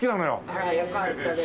あらよかったです。